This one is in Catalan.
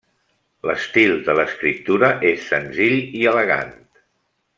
L'estil de l'escriptura és senzill i elegant.